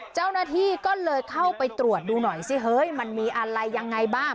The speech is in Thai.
เจ้าหน้าที่ก็เลยเข้าไปตรวจดูหน่อยสิเฮ้ยมันมีอะไรยังไงบ้าง